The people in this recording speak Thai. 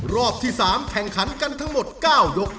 รอบที่๓แข่งขันกันทั้งหมด๙ยก